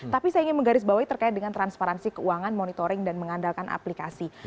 tapi saya ingin menggarisbawahi terkait dengan transparansi keuangan monitoring dan mengandalkan aplikasi